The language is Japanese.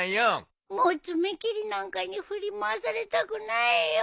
もう爪切りなんかに振り回されたくないよ。